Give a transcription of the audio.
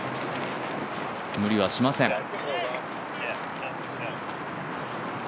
無理はしません。